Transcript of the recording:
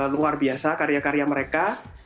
luar biasa karya karya mereka